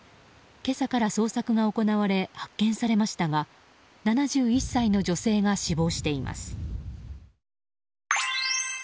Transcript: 今朝から捜索が行われ発見されましたが７１歳の女性が死亡しています。